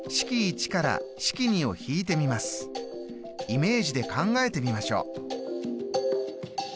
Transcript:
イメージで考えてみましょう。